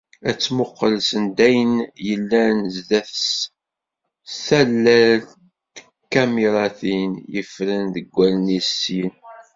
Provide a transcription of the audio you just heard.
Ad tmuqel send ayen yellan sdat-s s tallelt n tkamiratin yeffren deg wallen-is, syin.